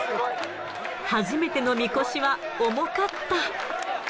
初めてのみこしは重かった。